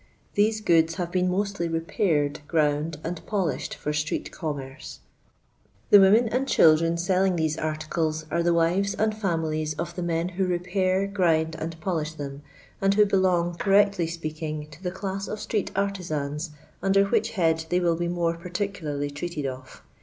These goods have been mostly repaired, ground, and polished for street commerce. The women and children selling these LOyDOy LABOUR A.VD THE LONDON POOR. 13 articles are the wives and families of the men i who repair, grind, and polish them, and who belong, correctlj speaking, to the c1a<s of street artixans, under which head they will be more particularly treated of.